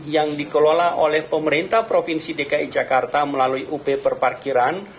yang dikelola oleh pemerintah provinsi dki jakarta melalui up perparkiran